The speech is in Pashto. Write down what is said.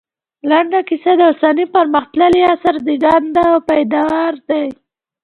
لنډه کيسه د اوسني پرمختللي عصر زېږنده او پيداوار دی